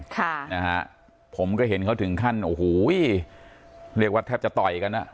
ค่ะนะฮะผมก็เห็นเขาถึงขั้นโอ้โหเรียกว่าแทบจะต่อยกันอ่ะ